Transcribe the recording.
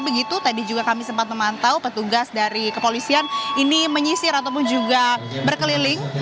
begitu tadi juga kami sempat memantau petugas dari kepolisian ini menyisir ataupun juga berkeliling